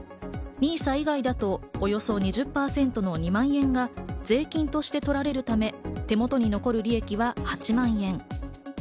ＮＩＳＡ以外だとおよそ２０％の２万円が税金として取られるため、手元に残る利益が８万円。